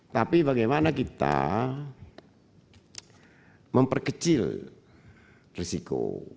tapi bagaimana kita memperkecil risiko